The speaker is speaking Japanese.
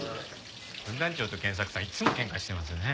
分団長と賢作さんいつも喧嘩してますよね。